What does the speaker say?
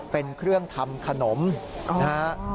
เป็นเครื่องทำขนมนะฮะ